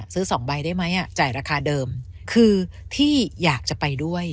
สองใบได้ไหมอ่ะจ่ายราคาเดิมคือที่อยากจะไปด้วย